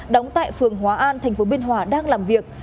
đóng tại phường hóa an tp biên hòa đang làm việc